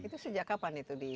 itu sejak kapan itu